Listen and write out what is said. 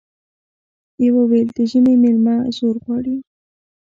يوه ويل د ژمي ميلمه زور غواړي ،